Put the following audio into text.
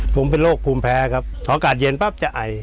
ผมเป็นโรคภูมิแพ้ครับพออากาศเย็นปั๊บจะไอ